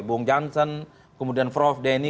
bung johnson kemudian frov denny